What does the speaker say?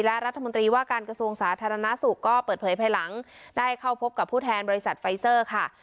และรัฐมนตรีว่าการกระทรวงสาธารณสุขก็เปิดเผยภายหลังได้เข้าพบกับผู้แทนบริษัทไฟเซอร์ค่ะ